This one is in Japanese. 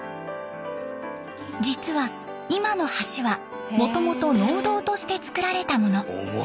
実は今の橋はもともと農道として造られたもの。